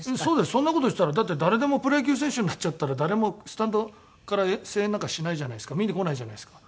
そんな事したらだって誰でもプロ野球選手になっちゃったら誰もスタンドから声援なんかしないじゃないですか見に来ないじゃないですか。